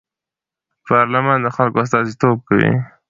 پارلمان د خلکو استازیتوب کوي